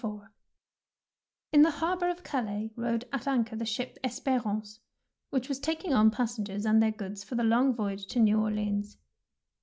Ill In the harbour of Calais rode at anchor the ship Esp^rance,^' which was taking on passengers and their goods for the long voyage to New Orleans.